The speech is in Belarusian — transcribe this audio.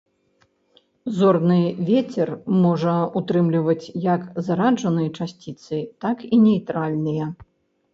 Зорны вецер можа ўтрымліваць як зараджаныя часціцы, так і нейтральныя.